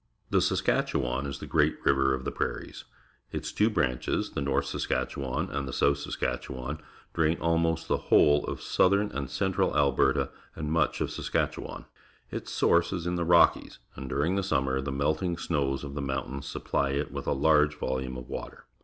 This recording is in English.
The Saskatchewan is the great rive r of the prairies. Its two branches — the North Saskaicheiran and the South Saskatchewarv^^ "drain arnK)sf the whole of southern aiicl central .AJberta and much of Saskatchewan. Its source is in the Rockies, and during the summer the melting snows of the mountains supply it with a large volume of water.